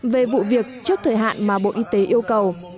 về vụ việc trước thời hạn mà bộ y tế yêu cầu